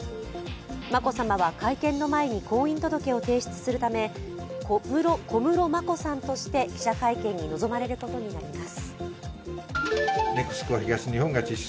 眞子さまは会見の前に婚姻届を提出するため小室眞子さんとして記者会見に臨まれることになります。